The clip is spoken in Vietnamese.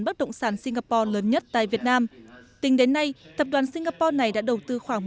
bất động sản singapore lớn nhất tại việt nam tính đến nay tập đoàn singapore này đã đầu tư khoảng